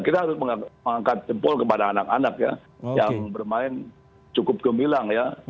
kita harus mengangkat jempol kepada anak anak ya yang bermain cukup gemilang ya